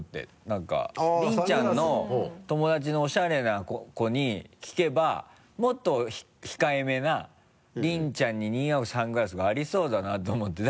何か凜ちゃんの友達のおしゃれな子に聞けばもっと控え目な凜ちゃんに似合うサングラスがありそうだなと思って。